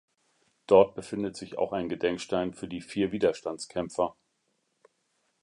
Dort befindet sich auch ein Gedenkstein für die vier Widerstandskämpfer.